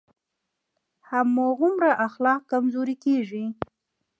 هماغومره اخلاق کمزوری کېږي.